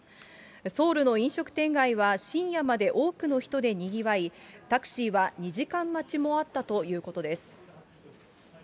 ソウルの飲食店街は、深夜まで多くの人でにぎわい、タクシーは２時間待ちもあったということです。